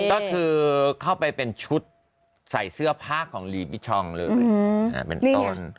ก็คือเข้าไปเป็นชุดใส่เสื้อผ้าของลีบิชองเลยเป็นต้น